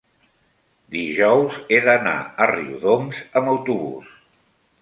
dijous he d'anar a Riudoms amb autobús.